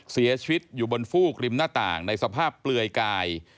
เสียชีวิตอยู่บนฟูกริมหน้าต่างในสภาพเปลือยกาย